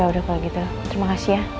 udah kalau gitu terima kasih ya